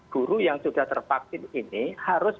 guru yang sudah tervaksin ini harus